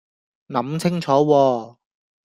諗清楚喎